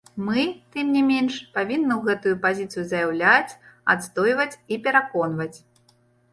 Мы, тым не менш, павінны гэтую пазіцыю заяўляць, адстойваць і пераконваць.